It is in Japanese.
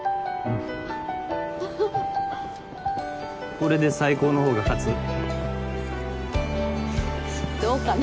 これで最高の方が勝つ？どうかな。